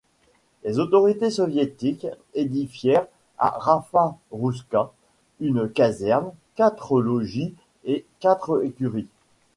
Les autorités soviétiques édifièrent à Rava-Rouska une caserne, quatre logis et quatre écuries.